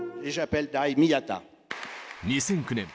２００９年